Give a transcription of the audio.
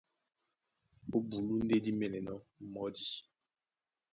Ó bulú ndé dí mɛ́nɛnɔ́ mɔ́di.